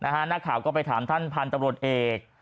นักข่าวก็ไปถามท่านพันธุ์ตำรวจเอก